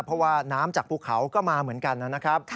เพราะว่าน้ำจากภูเขาก็มาเหมือนกันนะครับ